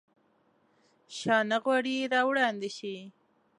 شاه نه غواړي راوړاندي شي.